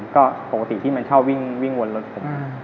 ก็ปกติที่มันชอบวิ่งวนรถผม